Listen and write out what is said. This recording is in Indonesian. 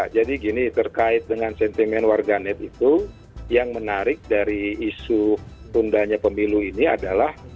jadi gini terkait dengan sentimen warga net itu yang menarik dari isu tundanya pemilu ini adalah